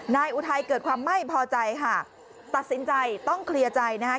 อุทัยเกิดความไม่พอใจค่ะตัดสินใจต้องเคลียร์ใจนะคะ